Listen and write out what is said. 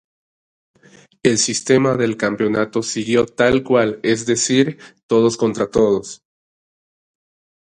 El sistema de campeonato siguió tal cual, es decir, todos contra todos.